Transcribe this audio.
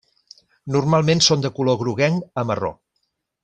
Normalment són de color groguenc a marró.